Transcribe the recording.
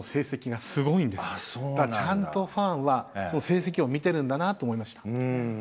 だからちゃんとファンはその成績を見てるんだなと思いました。